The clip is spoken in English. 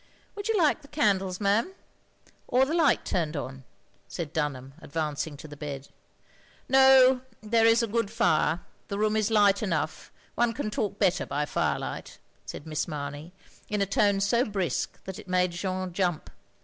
"Would you like the candles ma'am, or the light turned on?" said Dunham, advancing to the bed. "No, there is a good fire; the room is light enough, one can talk better by firelight,'' said Miss Mamey, in a tone so brisk that it made Jeanne jump.